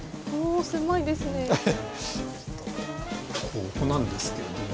ここなんですけれども。